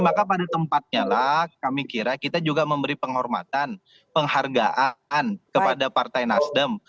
maka pada tempatnya lah kami kira kita juga memberi penghormatan penghargaan kepada partai nasdem